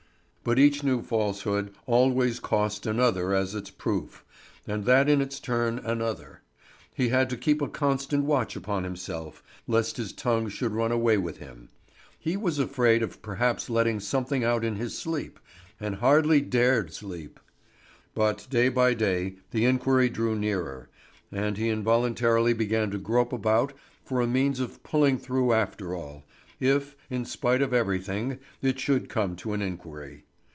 But each new falsehood always cost another as its proof, and that in its turn another. He had to keep a constant watch upon himself, lest his tongue should run away with him; he was afraid of perhaps letting something out in his sleep, and hardly dared sleep. But day by day the inquiry drew nearer, and he involuntarily began to grope about for a means of pulling through after all, if in spite of everything it should come to an inquiry.